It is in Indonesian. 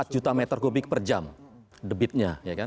empat juta meter kubik per jam debitnya